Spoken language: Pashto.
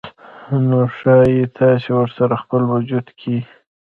نو ښايي تاسې ورسره خپل وجود کې